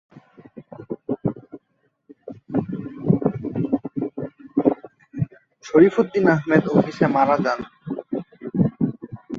শরীফ উদ্দিন আহমেদ অফিসে মারা যান।